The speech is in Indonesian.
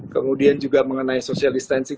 kemudian juga mengenai social distancing